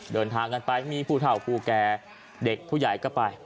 เดินทางกันไปมีผู้เท่าผู้แก่เด็กผู้ใหญ่ก็ไป